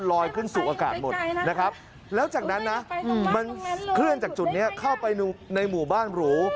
ลอยขึ้นสู่อากาศหมดนะครับแล้วจากนั้นนะมันเคลื่อนจากจุดนี้เข้าไปในหมู่บ้านหรู